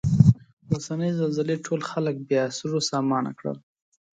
اوسنۍ زلزلې ټول خلک بې سرو سامانه کړل.